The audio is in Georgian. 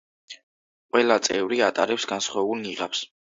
ყველა წევრი ატარებს განსხვავებულ ნიღაბს.